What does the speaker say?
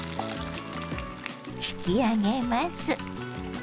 引き上げます。